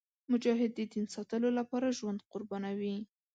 مجاهد د دین ساتلو لپاره ژوند قربانوي.